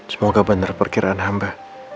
semoga benar perkiraan hamba